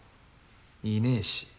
いねぇし。